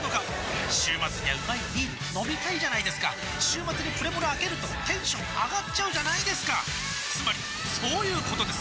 週末にはうまいビール飲みたいじゃないですか週末にプレモルあけるとテンション上がっちゃうじゃないですかつまりそういうことです！